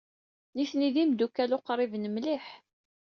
Nitni d imeddukal uqriben mliḥ.